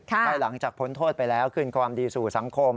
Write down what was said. ให้หลังจากพ้นโทษไปแล้วคืนความดีสู่สังคม